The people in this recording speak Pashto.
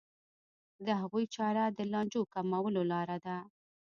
د هغوی چاره د لانجو کمولو لاره ده.